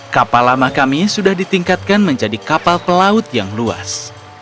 kapal lama kami sudah ditingkatkan menjadi kapal pelaut yang luas